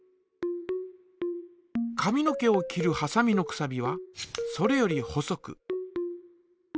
髪の毛を切るはさみのくさびはそれより細く。